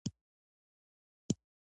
د جنرال ستولیتوف لېږل کېدل دومره مرموز وو.